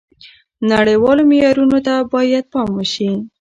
نړیوالو معیارونو ته باید پام وشي.